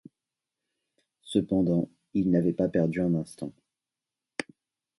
Cependant, il n’avait pas perdu un instant.